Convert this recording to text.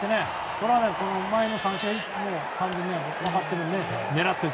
これは前の三振で完全に分かっていたね。